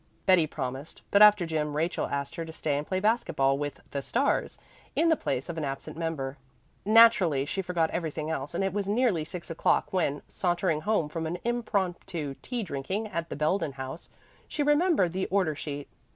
Betty promised, but after gym Rachel asked her to stay and play basket ball with "The Stars" in the place of an absent member. Naturally she forgot everything else and it was nearly six o'clock when, sauntering home from an impromptu tea drinking at the Belden House, she remembered the order sheet.